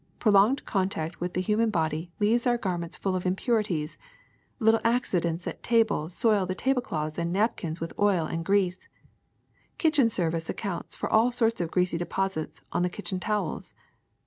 Pro longed contact with the human body leaves our gar ments full of impurities ; little accidents at table soil the table cloths and napkins with oil and grease; kitchen service accounts for all sorts of greasy de posits on the kitchen towels.